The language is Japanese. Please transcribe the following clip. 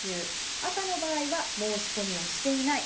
赤の場合は申し込みをしていない。